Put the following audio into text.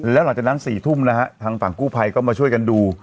แล้วหลังจากนั้น๔ทุ่มนะฮะทางฝั่งกู้ภัยก็มาช่วยกันดู